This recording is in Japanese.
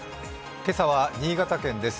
今朝は新潟県です。